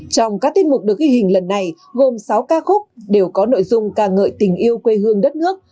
trong các tiết mục được ghi hình lần này gồm sáu ca khúc đều có nội dung ca ngợi tình yêu quê hương đất nước